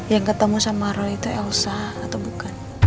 yang ketemu sama roy itu eusa atau bukan